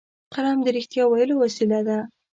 قلم د رښتیا ویلو وسیله ده